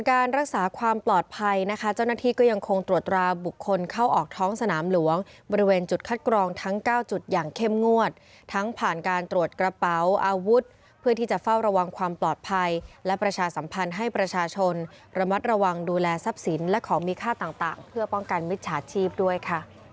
การรักษาความปลอดภัยนะคะเจ้าหน้าที่ก็ยังคงตรวจราบุคคลเข้าออกท้องสนามหลวงบริเวณจุดคัดกรองทั้ง๙จุดอย่างเข้มงวดทั้งผ่านการตรวจกระเป๋าอาวุธเพื่อที่จะเฝ้าระวังความปลอดภัยและประชาสัมพันธ์ให้ประชาชนระมัดระวังดูแลทรัพย์สินและของมีค่าต่างเพื่อป้องกันมิจฉาชีพด้วยค่ะ